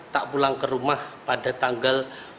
tak pulang ke rumah pada tanggal dua puluh tujuh agustus